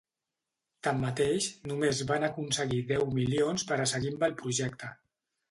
Tanmateix, només van aconseguir deu milions per a seguir amb el projecte.